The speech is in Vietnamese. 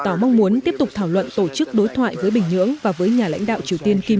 tỏ mong muốn tiếp tục thảo luận tổ chức đối thoại với bình nhưỡng và với nhà lãnh đạo triều tiên kim